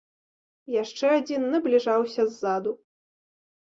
Яшчэ адзін набліжаўся ззаду.